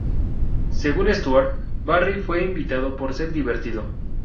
Según Stuart, Barry fue invitado por ser divertido.